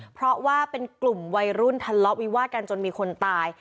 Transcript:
เพราะว่าเป็นกลุ่มวัยรุ่นทะเลาะวิวาดกันจนมีคนตาย